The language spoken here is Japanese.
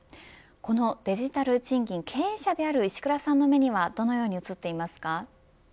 このデジタル賃金経営者である石倉さんの目にはどう映っていますか。